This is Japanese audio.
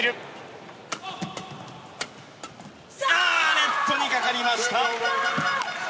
ネットにかかりました。